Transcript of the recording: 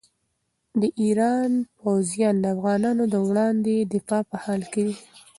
د ایران پوځیان د افغانانو وړاندې د دفاع په حال کې دي.